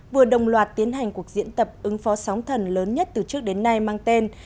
vừa đồng loạt tiến hành cuộc diễn tập ứng phó sóng thần lớn nhất từ trước đến nay mang tên